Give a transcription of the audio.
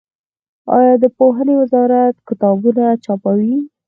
آیا د پوهنې وزارت کتابونه چاپوي؟